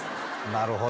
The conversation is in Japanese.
なるほど。